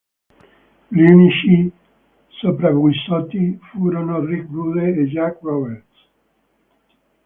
Gli unici sopravvissuti furono Rick Rude e Jake Roberts.